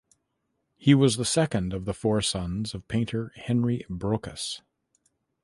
He was the second of the four sons of painter Henry Brocas.